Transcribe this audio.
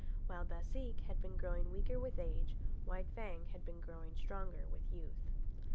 While Baseek had been growing weaker with age, White Fang had been growing stronger with youth.